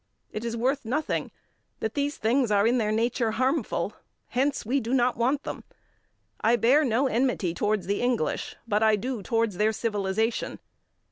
It is worth nothing that these things are, in their nature, harmful; hence, we do not want them. I bear no enmity towards the English, but I do towards their civilization.